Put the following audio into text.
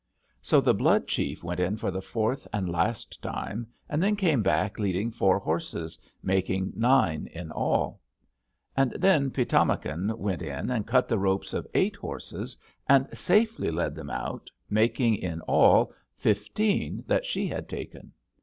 "So the Blood chief went in for the fourth and last time, and came back leading four horses, making nine in all. And then Pi´tamakan went in and cut the ropes of eight horses, and safely led them out, making in all fifteen that she had taken.